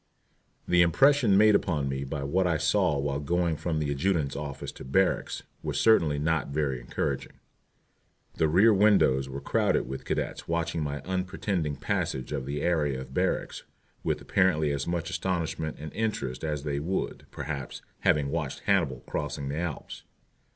The impression made upon me by what I saw while going from the adjutant's office to barracks was certainly not very encouraging. The rear windows were crowded with cadets watching my unpretending passage of the area of barracks with apparently as much astonishment and interest as they would, perhaps, have watched Hannibal crossing the Alps.